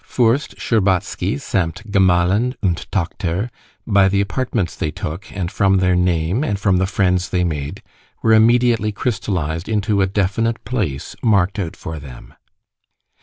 Fürst Shtcherbatsky, sammt Gemahlin und Tochter, by the apartments they took, and from their name and from the friends they made, were immediately crystallized into a definite place marked out for them.